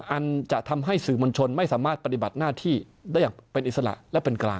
อันจะทำให้สื่อมวลชนไม่สามารถปฏิบัติหน้าที่ได้อย่างเป็นอิสระและเป็นกลาง